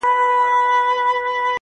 د مسجد په منارو که چي هېرېږئ,